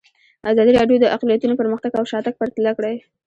ازادي راډیو د اقلیتونه پرمختګ او شاتګ پرتله کړی.